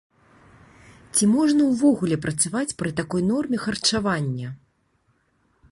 Ці можна ўвогуле працаваць пры такой норме харчавання?